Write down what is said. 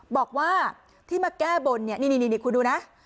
บอกว่าที่มาแก้บนนี้นี่นี่เครื่องดูนะ